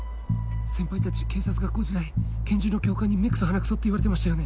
先輩たち警察学校時代拳銃の教官に目クソ鼻クソって言われてましたよね。